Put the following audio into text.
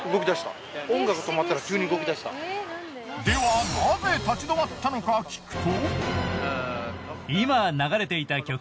ではナゼ立ち止まったのか聞くと。